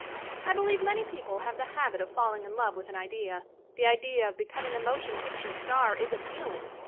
I believe many people have the habit of fall ing in love with an idea. The idea of becom ing a motion picture star is appealing.